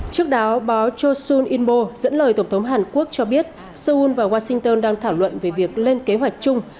trước đó báo cho susul inbo dẫn lời tổng thống hàn quốc cho biết seoul và washington đang thảo luận về việc lên kế hoạch chung